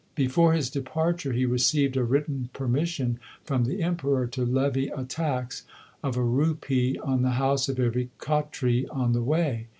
Before his depar ture he received a written permission from the Emperor to levy a tax of a rupee on the house of every Khatri on the way.